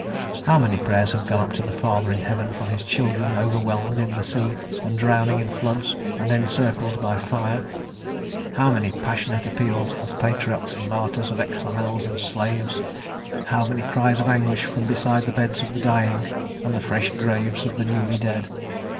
How many Prayers have gone up to the Father in heaven from his children overwhelmed in the sea, and drowning in floods, and encircled by fire? How many passionate appeals of patriots and martyrs, of exiles and of slaves? How many cries of anguish from beside the beds of the dying, and the fresh graves of the newly dead?